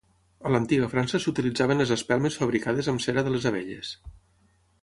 A l'antiga França s'utilitzaven les espelmes fabricades amb cera de les abelles.